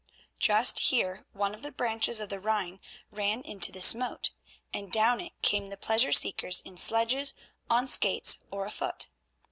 Just here one of the branches of the Rhine ran into this moat, and down it came the pleasure seekers in sledges, on skates, or afoot.